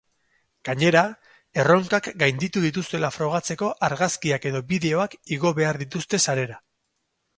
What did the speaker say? Gainera, erronkak gainditu dituztela frogatzeko argazkiak edo bideoak igo behar dituzte sarera.